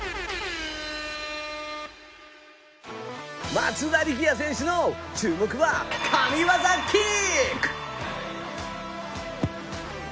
松田力也選手の注目は神ワザキック。